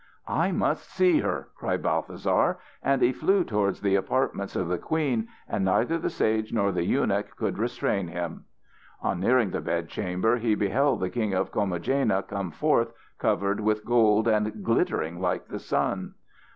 "I must see her," cried Balthasar. And he flew towards the apartments of the queen, and neither the sage nor the eunuch could restrain him. On nearing the bedchamber he beheld the King of Comagena come forth covered with gold and glittering like the sun.